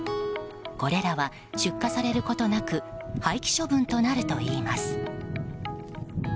これらは、出荷されることなく廃棄処分となるといいます。